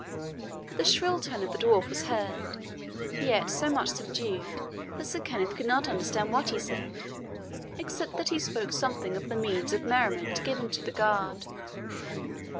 The shrill tone of the dwarf was heard, yet so much subdued that Sir Kenneth could not understand what he said, except that he spoke something of the means of merriment given to the guard.